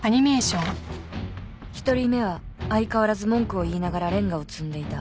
１人目は相変わらず文句を言いながらレンガを積んでいた。